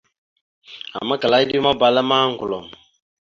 Ama kiləndew maɓala ma, ŋgəlom.